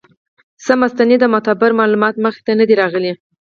څۀ مستند او معتبر معلومات مخې ته نۀ دي راغلي